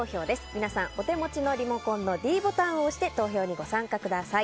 皆さん、お手持ちのリモコンのｄボタンを押して投票にご参加ください。